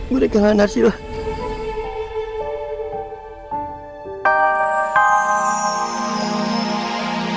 gua udah kehilangan hasilnya